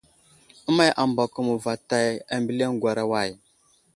Əway ambako məvətay ambiliŋgwera way ?